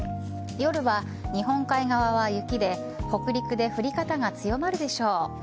夜は日本海側は雪で北陸で降り方が強まるでしょう。